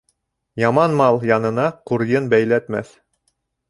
Яман мал янына ҡурйын бәйләтмәҫ